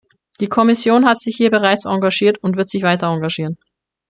Die Kommission hat sich hier bereits engagiert und wird sich weiter engagieren.